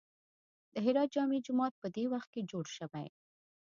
د هرات جامع جومات په دې وخت کې جوړ شوی.